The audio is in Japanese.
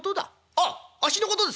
「あっあっしのことですか？